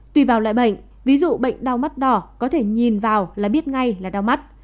tùy vào loại bệnh ví dụ bệnh đau mắt đỏ có thể nhìn vào là biết ngay là đau mắt